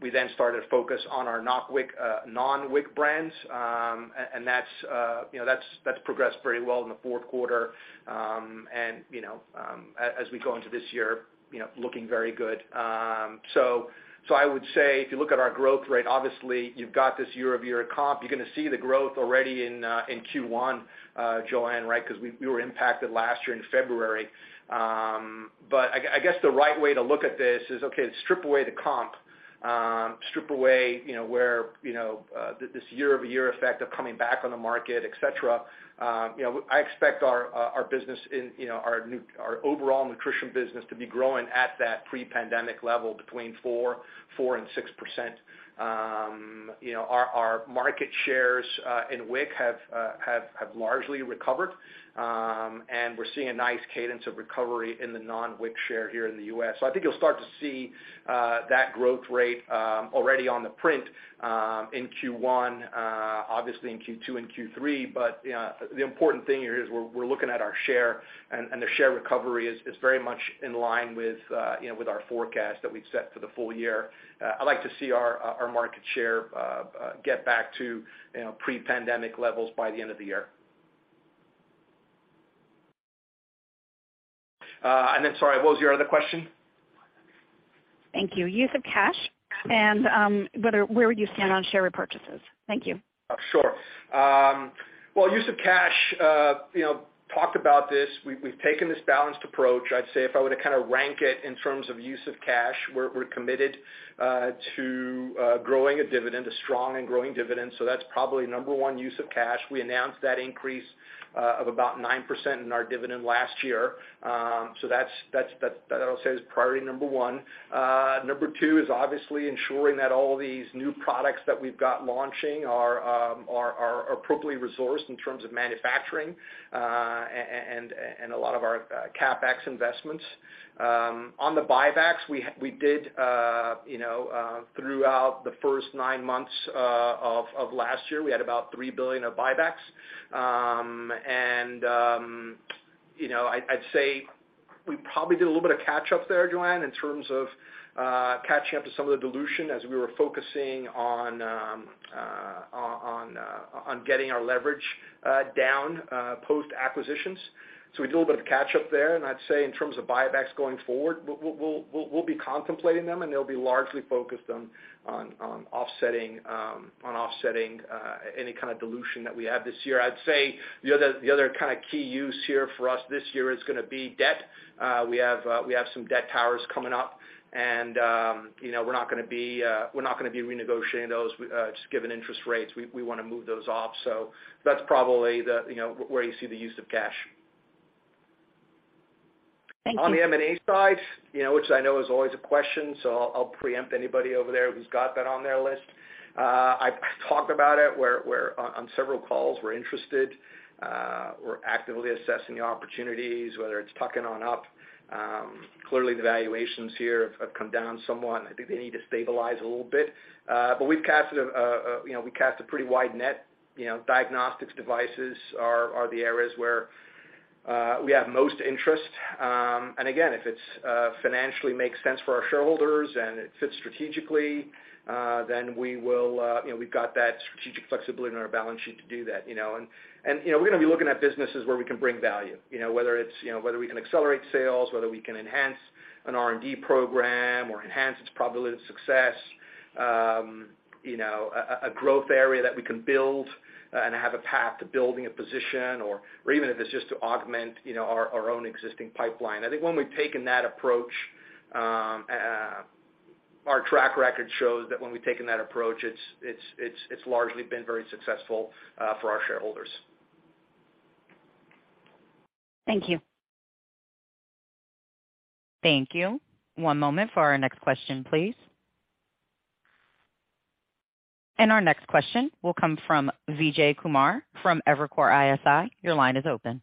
We then started to focus on our not WIC, non-WIC brands. That's, you know, that's progressed very well in the fourth quarter. You know, as we go into this year, you know, looking very good. I would say if you look at our growth rate, obviously you've got this year-over-year comp. You're gonna see the growth already in Q1, Joanne, right? We were impacted last year in February. I guess the right way to look at this is, okay, strip away the comp, strip away, you know, where, you know, this year-over-year effect of coming back on the market, et cetera. You know, I expect our business in, you know, our overall nutrition business to be growing at that pre-pandemic level between 4% and 6%. You know, our market shares in WIC have largely recovered. We're seeing a nice cadence of recovery in the non-WIC share here in the U.S. I think you'll start to see that growth rate already on the print in Q1, obviously in Q2 and Q3. You know, the important thing here is we're looking at our share, and the share recovery is very much in line with, you know, with our forecast that we've set for the full year. I'd like to see our market share get back to, you know, pre-pandemic levels by the end of the year. Sorry, what was your other question? Thank you. Use of cash and, where would you stand on share repurchases? Thank you. Sure. Well, use of cash, you know, talked about this. We've taken this balanced approach. I'd say if I were to kinda rank it in terms of use of cash, we're committed to growing a dividend, a strong and growing dividend. That's probably number one use of cash. We announced that increase of about 9% in our dividend last year. That's, that I'll say is priority number one. Number two is obviously ensuring that all these new products that we've got launching are appropriately resourced in terms of manufacturing, and a lot of our CapEx investments. On the buybacks, we did, you know, throughout the first 9 months of last year, we had about $3 billion of buybacks. You know, I'd say we probably did a little bit of catch-up there, Joanne, in terms of catching up to some of the dilution as we were focusing on getting our leverage down post-acquisitions. So we did a little bit of catch-up there. I'd say in terms of buybacks going forward, we'll be contemplating them, and they'll be largely focused on offsetting any kinda dilution that we have this year. I'd say the other kinda key use here for us this year is gonna be debt. We have some debt towers coming up, and, you know, we're not gonna be renegotiating those, just given interest rates. We wanna move those off. That's probably the, you know, where you see the use of cash. Thank you. On the M&A side, you know, which I know is always a question, so I'll preempt anybody over there who's got that on their list. I've talked about it on several calls, we're interested. We're actively assessing the opportunities, whether it's tucking on up. Clearly, the valuations here have come down somewhat. I think they need to stabilize a little bit. We've cast a, you know, we cast a pretty wide net. You know, diagnostics devices are the areas where we have most interest. Again, if it's financially makes sense for our shareholders and it fits strategically, then we will, you know, we've got that strategic flexibility in our balance sheet to do that, you know. you know, we're gonna be looking at businesses where we can bring value, you know, whether it's, you know, whether we can accelerate sales, whether we can enhance an R&D program or enhance its probability of success. you know, a growth area that we can build and have a path to building a position or even if it's just to augment, you know, our own existing pipeline. I think when we've taken that approach, our track record shows that when we've taken that approach, it's largely been very successful for our shareholders. Thank you. Thank you. One moment for our next question, please. Our next question will come from Vijay Kumar from Evercore ISI. Your line is open.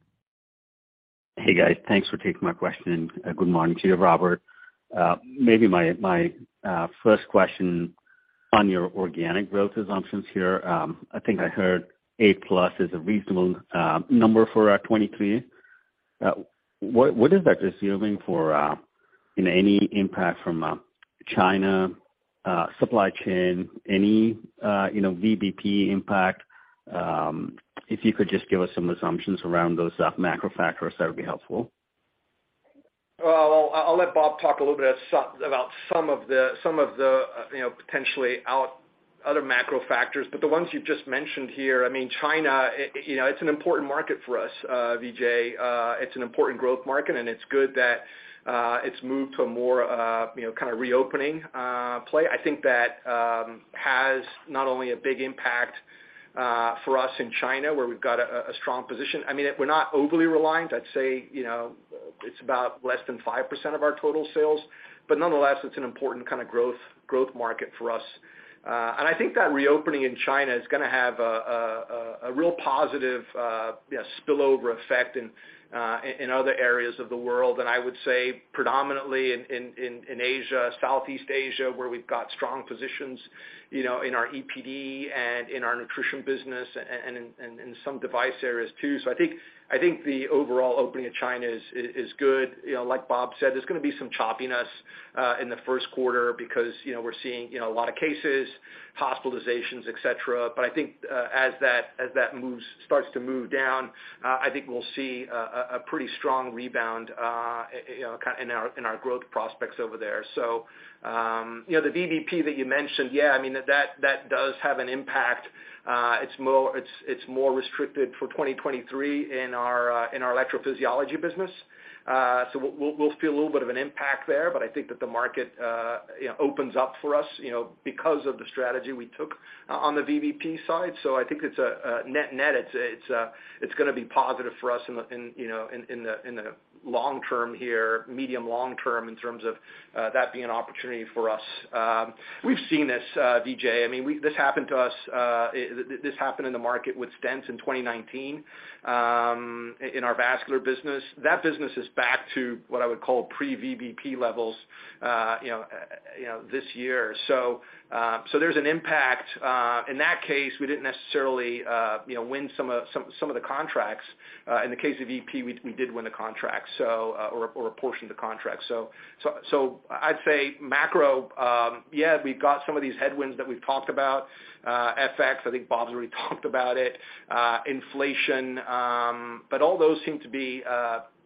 Hey, guys. Thanks for taking my question. Good morning to you, Robert. Maybe my first question on your organic growth assumptions here. I think I heard 8+ is a reasonable number for 2023. What is that assuming for, you know, any impact from China, supply chain, any, you know, VBP impact? If you could just give us some assumptions around those macro factors, that would be helpful. Well, I'll let Bob talk a little bit about some of the, you know, potentially out other macro factors, but the ones you've just mentioned here, I mean, China, you know, it's an important market for us, Vijay. It's an important growth market, and it's good that it's moved to a more, you know, kinda reopening play. I think that has not only a big impact for us in China, where we've got a strong position. I mean, we're not overly reliant. I'd say, you know, it's about less than 5% of our total sales. Nonetheless, it's an important kind of growth market for us. I think that reopening in China is gonna have a real positive, yeah, spillover effect in other areas of the world. I would say predominantly in Asia, Southeast Asia, where we've got strong positions, you know, in our EPD and in our nutrition business and in some device areas too. I think the overall opening of China is good. You know, like Bob said, there's gonna be some choppiness in the first quarter because, you know, we're seeing, you know, a lot of cases, hospitalizations, et cetera. I think, as that starts to move down, I think we'll see a pretty strong rebound, you know, in our growth prospects over there. You know, the VBP that you mentioned, yeah, I mean, that does have an impact. It's more restricted for 2023 in our electrophysiology business. We'll feel a little bit of an impact there. I think that the market, you know, opens up for us, you know, because of the strategy we took on the VBP side. I think it's a net-net. It's, it's gonna be positive for us in the, in, you know, in the, in the long term here, medium long term, in terms of that being an opportunity for us. We've seen this, Vijay. I mean, this happened to us, this happened in the market with stents in 2019, in our vascular business. That business is back to what I would call pre-VBP levels, you know, this year. There's an impact. In that case, we didn't necessarily, you know, win some of the contracts. In the case of EP, we did win the contract, so or a portion of the contract. I'd say macro, yeah, we've got some of these headwinds that we've talked about, FX, I think Bob's already talked about it, inflation. All those seem to be,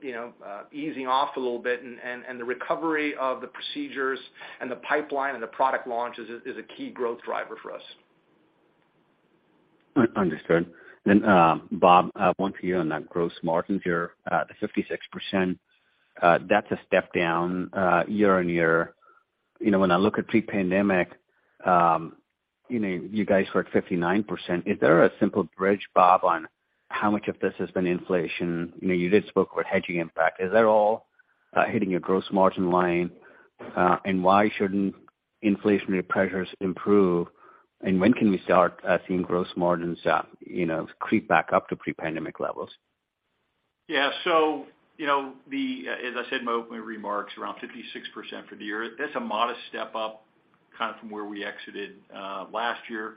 you know, easing off a little bit. The recovery of the procedures and the pipeline and the product launch is a key growth driver for us. Un-understood. Bob Funck, one for you on that gross margin here, the 56%. That's a step down year-over-year. You know, when I look at pre-pandemic, you know, you guys were at 59%. Is there a simple bridge, Bob Funck, on how much of this has been inflation? You know, you did spoke with hedging impact. Is that all hitting your gross margin line? Why shouldn't inflationary pressures improve? When can we start seeing gross margins, you know, creep back up to pre-pandemic levels? Yeah. You know, as I said in my opening remarks, around 56% for the year. That's a modest step up kind of from where we exited last year.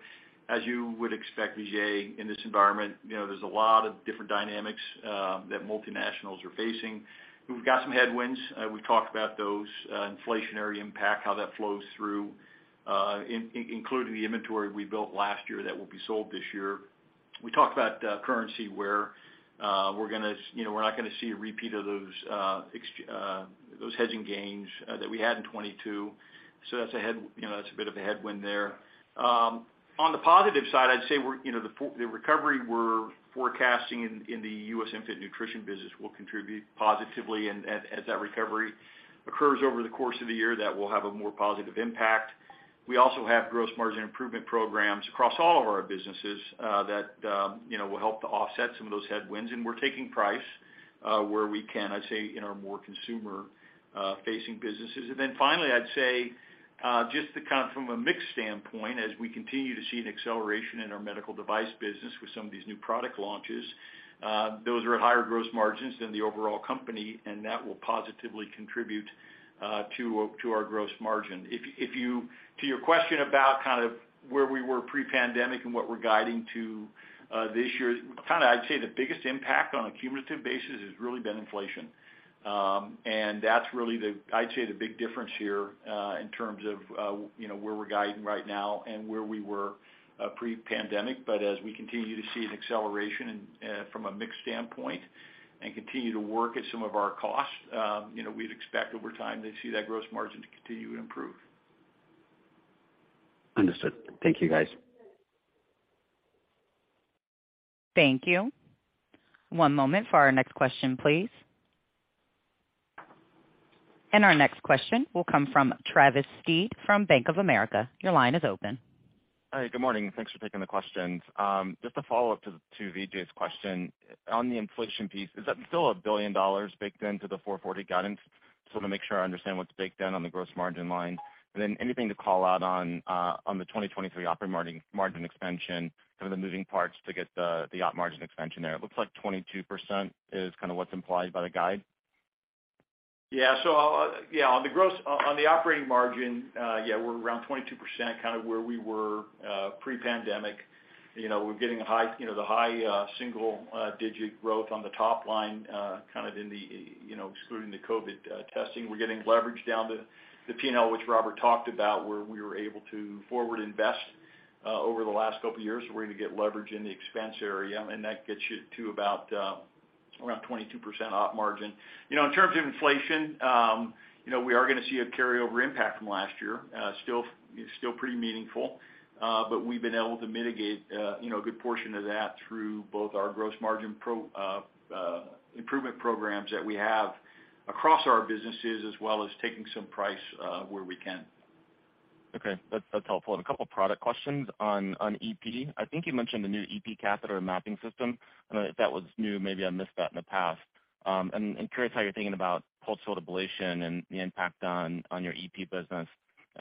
As you would expect, Vijay, in this environment, you know, there's a lot of different dynamics that multinationals are facing. We've got some headwinds. We talked about those inflationary impact, how that flows through, including the inventory we built last year that will be sold this year. We talked about currency where we're gonna, you know, we're not gonna see a repeat of those hedging gains that we had in 2022. You know, that's a bit of a headwind there. On the positive side, I'd say we're, you know, the recovery we're forecasting in the U.S. infant nutrition business will contribute positively. As that recovery occurs over the course of the year, that will have a more positive impact. We also have gross margin improvement programs across all of our businesses that, you know, will help to offset some of those headwinds. We're taking price where we can, I'd say in our more consumer facing businesses. Finally, I'd say, just to kind of from a mix standpoint, as we continue to see an acceleration in our medical device business with some of these new product launches, those are at higher gross margins than the overall company, and that will positively contribute to our gross margin. If you to your question about kind of where we were pre-pandemic and what we're guiding to this year, kind of I'd say the biggest impact on a cumulative basis has really been inflation. That's really the, I'd say, the big difference here in terms of, you know, where we're guiding right now and where we were pre-pandemic. As we continue to see an acceleration from a mix standpoint and continue to work at some of our costs, you know, we'd expect over time to see that gross margin to continue to improve. Understood. Thank you, guys. Thank you. One moment for our next question, please. Our next question will come from Travis Steed from Bank of America. Your line is open. Hi. Good morning. Thanks for taking the questions. Just a follow-up to Vijay's question. On the inflation piece, is that still $1 billion baked into the $4.40 guidance? Just wanna make sure I understand what's baked in on the gross margin line. Anything to call out on the 2023 operating margin expansion, some of the moving parts to get the op margin expansion there. It looks like 22% is kind of what's implied by the guide. Yeah. On the operating margin, yeah, we're around 22%, kind of where we were pre-pandemic. You know, we're getting a high, you know, the high single-digit growth on the top line, kind of in the, you know, excluding the COVID testing. We're getting leverage down to the P&L, which Robert talked about, where we were able to forward invest over the last couple of years. We're gonna get leverage in the expense area, and that gets you to about around 22% op margin. You know, in terms of inflation, you know, we are gonna see a carryover impact from last year, still pretty meaningful. We've been able to mitigate, you know, a good portion of that through both our gross margin improvement programs that we have Across our businesses as well as taking some price, where we can. Okay. That's helpful. A couple product questions on EP. I think you mentioned the new EP catheter mapping system. I don't know if that was new, maybe I missed that in the past. I'm curious how you're thinking about pulse field ablation and the impact on your EP business.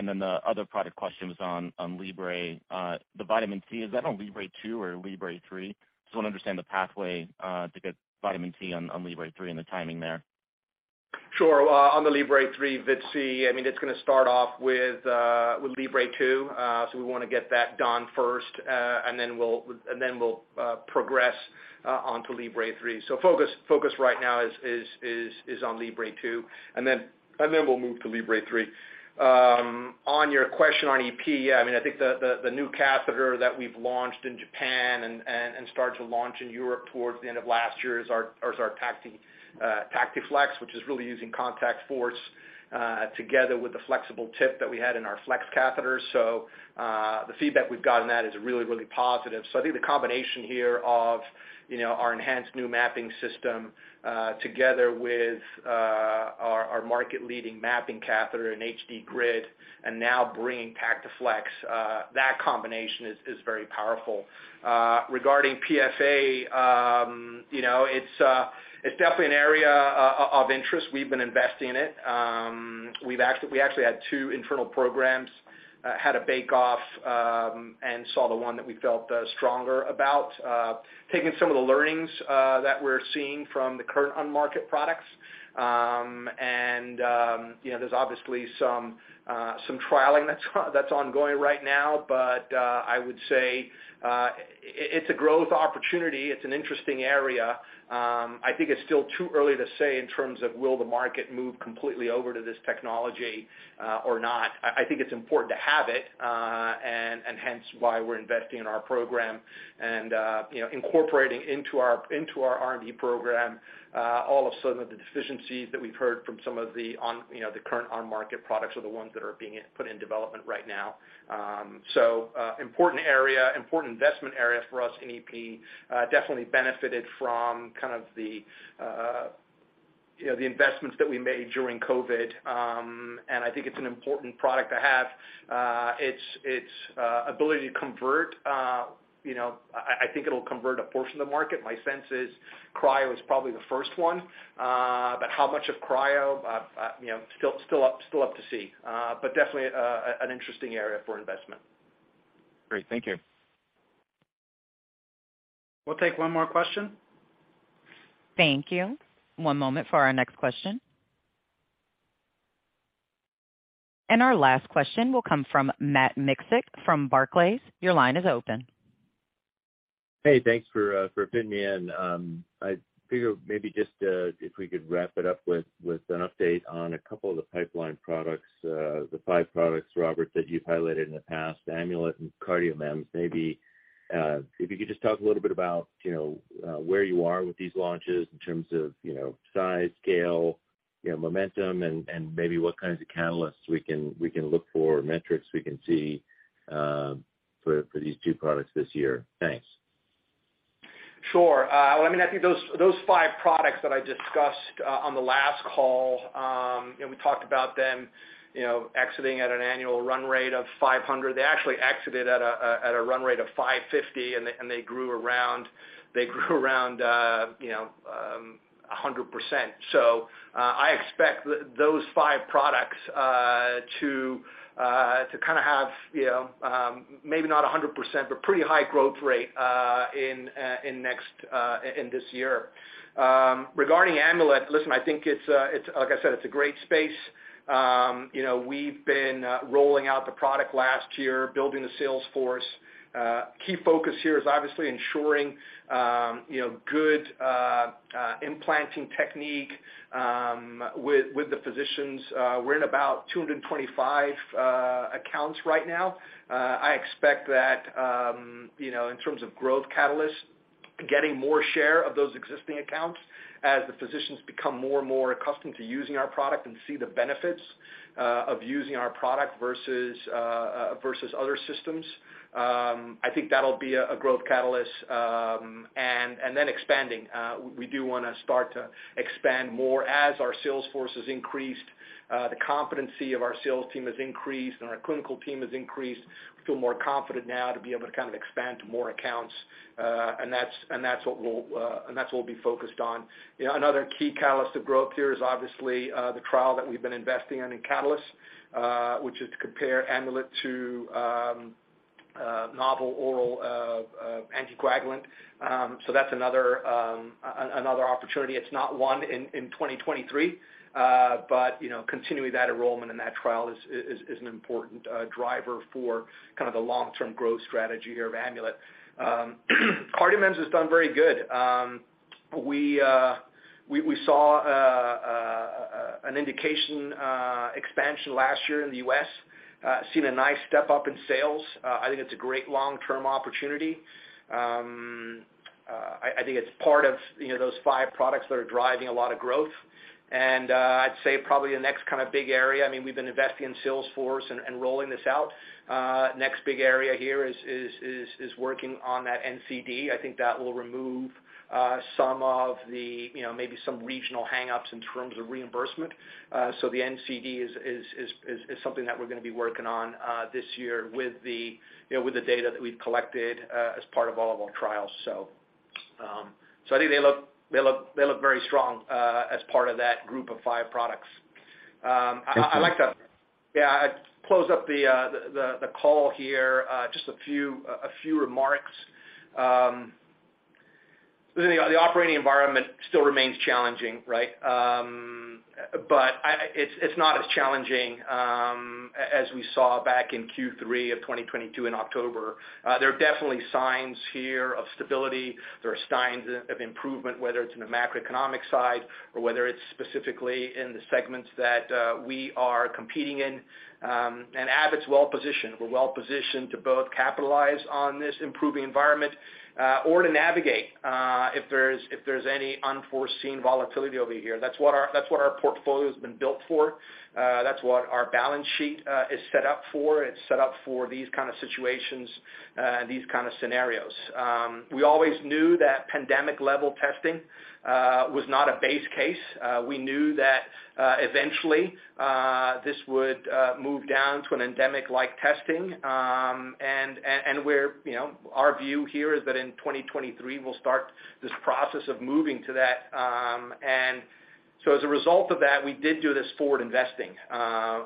The other product question was on Libre. The vitamin C, is that on Libre 2 or Libre 3? Just wanna understand the pathway to get vitamin C on Libre 3 and the timing there. Sure. Well, on the Libre 3 vitamin C, I mean, it's gonna start off with Libre 2. We wanna get that done first, and then we'll progress onto Libre 3. Focus right now is on Libre 2, and then we'll move to Libre 3. On your question on EP, yeah, I mean, I think the new catheter that we've launched in Japan and started to launch in Europe towards the end of last year is our TactiFlex, which is really using contact force together with the flexible tip that we had in our Flex catheter. I think the combination here of, you know, our enhanced new mapping system, together with our market-leading mapping catheter and HD Grid and now bringing TactiFlex, that combination is very powerful. Regarding PSA, you know, it's definitely an area of interest. We've been investing in it. We actually had two internal programs, had a bake off, and saw the one that we felt stronger about. Taking some of the learnings that we're seeing from the current on market products. And, you know, there's obviously some trialing that's ongoing right now, but I would say it's a growth opportunity. It's an interesting area. I think it's still too early to say in terms of will the market move completely over to this technology or not. I think it's important to have it, and hence why we're investing in our program and, you know, incorporating into our, into our R&D program, all of sudden of the deficiencies that we've heard from some of the on, you know, the current on market products or the ones that are being put in development right now. Important area, important investment area for us in EP. Definitely benefited from kind of the, you know, the investments that we made during COVID. I think it's an important product to have. Its ability to convert, you know, I think it'll convert a portion of the market. My sense is Cryo is probably the first one. How much of Cryo? you know, still up to see. Definitely, an interesting area for investment. Great. Thank you. We'll take one more question. Thank you. One moment for our next question. Our last question will come from Matt Miksic from Barclays. Your line is open. Hey, thanks for for fitting me in. I figure maybe just if we could wrap it up with an update on a couple of the pipeline products. The five products, Robert, that you've highlighted in the past, Amulet and CardioMEMS. Maybe if you could just talk a little bit about, you know, where you are with these launches in terms of, you know, size, scale, you know, momentum and maybe what kinds of catalysts we can look for, metrics we can see, for these two products this year. Thanks. Sure. Well, I mean, I think those five products that I discussed on the last call, you know, we talked about them, you know, exiting at an annual run rate of $500. They actually exited at a run rate of $550, and they grew around, you know, 100%. I expect those five products to kinda have, you know, maybe not 100%, but pretty high growth rate in this year. Regarding Amulet, listen, I think it's, like I said, it's a great space. You know, we've been rolling out the product last year, building the sales force. Key focus here is obviously ensuring, you know, good implanting technique with the physicians. We're in about 225 accounts right now. I expect that, you know, in terms of growth catalysts, getting more share of those existing accounts as the physicians become more and more accustomed to using our product and see the benefits of using our product versus other systems. I think that'll be a growth catalyst. Expanding. We do wanna start to expand more as our sales force has increased, the competency of our sales team has increased and our clinical team has increased. We feel more confident now to be able to kind of expand to more accounts. That's what we'll be focused on. You know, another key catalyst of growth here is obviously, the trial that we've been investing in in CATALYST, which is to compare Amulet to a novel oral anticoagulant. That's another opportunity. It's not one in 2023. You know, continuing that enrollment in that trial is an important driver for kind of the long-term growth strategy here of Amulet. CardioMEMS has done very good. We saw an indication expansion last year in the U.S. Seen a nice step up in sales. I think it's a great long-term opportunity. I think it's part of, you know, those five products that are driving a lot of growth. I'd say probably the next kinda big area, we've been investing in sales force and rolling this out. Next big area here is working on that NCD. I think that will remove some of the, you know, maybe some regional hang-ups in terms of reimbursement. The NCD is something that we're gonna be working on this year with the, you know, with the data that we've collected as part of all of our trials. I think they look very strong as part of that group of five products. I'd like to- Thank you. I'd close up the call here. Just a few remarks. The operating environment still remains challenging, right? It's not as challenging as we saw back in Q3 of 2022 in October. There are definitely signs here of stability. There are signs of improvement, whether it's in the macroeconomic side or whether it's specifically in the segments that we are competing in. Abbott's well-positioned. We're well-positioned to both capitalize on this improving environment or to navigate if there's any unforeseen volatility over here. That's what our portfolio's been built for. That's what our balance sheet is set up for. It's set up for these kind of situations, these kind of scenarios. We always knew that pandemic level testing was not a base case. We knew that eventually this would move down to an endemic-like testing. We're, you know, our view here is that in 2023, we'll start this process of moving to that. As a result of that, we did do this forward investing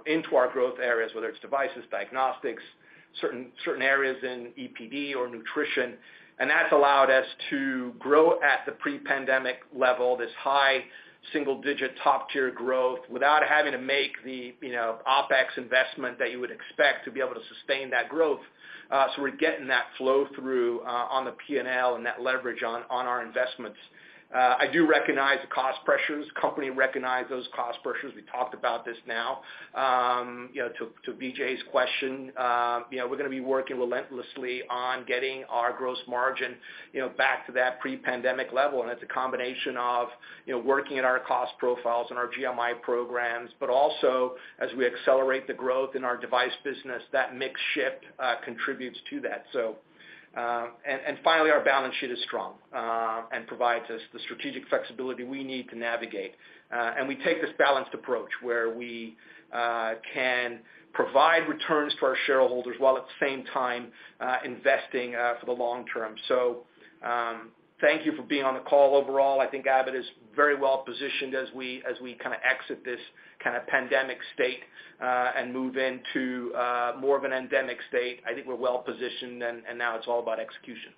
into our growth areas, whether it's devices, diagnostics, certain areas in EPD or nutrition, and that's allowed us to grow at the pre-pandemic level, this high single digit top-tier growth, without having to make the, you know, OpEx investment that you would expect to be able to sustain that growth. We're getting that flow through on the P&L and that leverage on our investments. I do recognize the cost pressures. The company recognize those cost pressures. We talked about this now, you know, to Vijay's question. you know, we're gonna be working relentlessly on getting our gross margin, you know, back to that pre-pandemic level, and it's a combination of, you know, working at our cost profiles and our GMI programs, but also as we accelerate the growth in our device business, that mix shift contributes to that. Finally, our balance sheet is strong and provides us the strategic flexibility we need to navigate. We take this balanced approach where we can provide returns for our shareholders while at the same time investing for the long term. Thank you for being on the call. Overall, I think Abbott is very well-positioned as we kinda exit this kinda pandemic state, and move into more of an endemic state. I think we're well-positioned and now it's all about execution.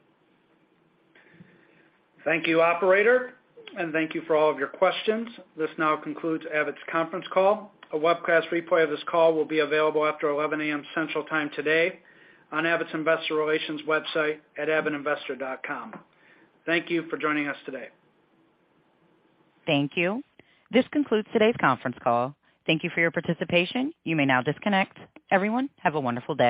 Thank you, operator, and thank you for all of your questions. This now concludes Abbott's conference call. A webcast replay of this call will be available after 11:00 A.M. Central Time today on Abbott's investor relations website at abbottinvestor.com. Thank you for joining us today. Thank you. This concludes today's conference call. Thank you for your participation. You may now disconnect. Everyone, have a wonderful day.